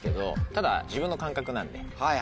ただ自分の感覚なんで。